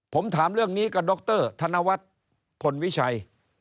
ผมถามเรื่องนี้กับดรธนวัฒน์พลวิชัย